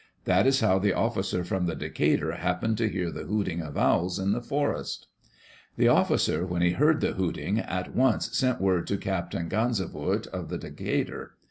That is how the officer from the Decatur happened to hear the hooting of owls in the forest. The officer, when he heard the hooting, at once sent word to Captain Ganzevoort of the Decatur.